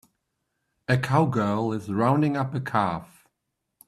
A cowgirl is rounding up a calf.